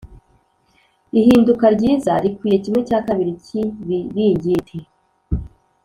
ihinduka ryiza rikwiye kimwe cya kabiri cyibiringiti